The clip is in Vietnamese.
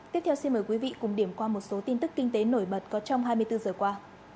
tiếp theo xin mời quý vị cùng điểm qua một số tin tức kinh tế nổi bật có trong hai mươi bốn giờ qua